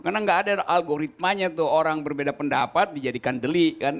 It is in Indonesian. karena tidak ada algoritmanya itu orang berbeda pendapat dijadikan delik kan